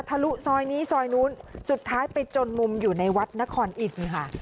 ลุซอยนี้ซอยนู้นสุดท้ายไปจนมุมอยู่ในวัดนครอินทร์ค่ะ